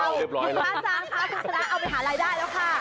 พระอาจารย์ค่ะคุณชนะเอาไปหารายได้แล้วค่ะ